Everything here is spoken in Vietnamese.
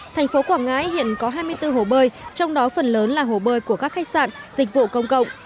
thành phố quảng ngãi hiện có hai mươi bốn hồ bơi trong đó phần lớn là hồ bơi của các khách sạn dịch vụ công cộng